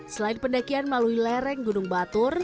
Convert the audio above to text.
selain pendakian melalui lereng gunung batur